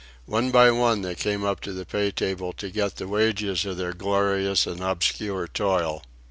One by one they came up to the pay table to get the wages of their glorious and obscure toil.